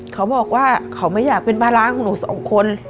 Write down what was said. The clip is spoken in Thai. เขาบอกว่าเขาไม่อยากเป็นภาระของหนูสองคน